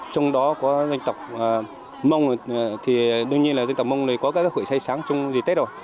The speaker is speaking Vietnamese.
trong đó có dân tộc mông thì đương nhiên là dân tộc mông có các hội xây sáng trong dị tết rồi